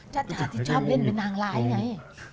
ชาติที่ชอบเล่นเป็นนางร้ายไง